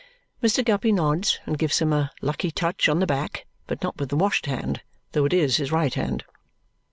Mr. Guppy nods and gives him a "lucky touch" on the back, but not with the washed hand, though it is his right hand.